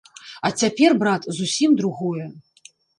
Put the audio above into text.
А цяпер, брат, зусім другое.